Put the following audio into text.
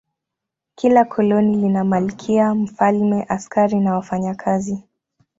Kila koloni lina malkia, mfalme, askari na wafanyakazi.